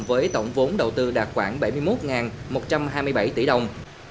với tổng vốn đầu tư đạt khoảng bảy mươi một một trăm hai mươi bảy tỷ đồng